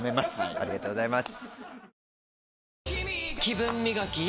ありがとうございます。